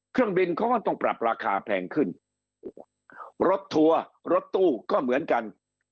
เครื่องบินเขาก็ต้องปรับราคาแพงขึ้นรถทัวร์รถตู้ก็เหมือนกัน